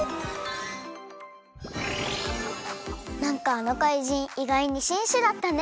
なんかあのかいじんいがいにしんしだったね。